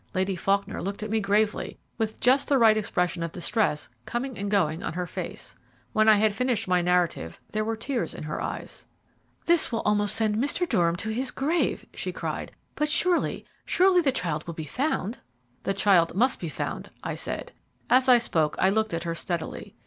Lady Faulkner looked at me gravely, with just the right expression of distress coming and going on her face. When I had finished my narrative there were tears in her eyes. "This will almost send Mr. Durham to his grave," she cried; "but surely surely the child will be found?" "The child must be found," I said. As I spoke I looked at her steadily.